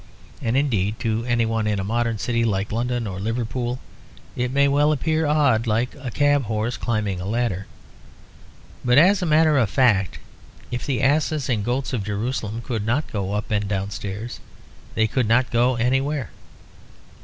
And indeed to any one in a modern city like London or Liverpool it may well appear odd, like a cab horse climbing a ladder. But as a matter of fact, if the asses and goats of Jerusalem could not go up and downstairs, they could not go anywhere.